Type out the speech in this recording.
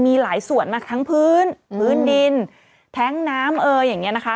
มีหลายส่วนมากทั้งพื้นพื้นดินแท้งน้ำเอ่ยอย่างนี้นะคะ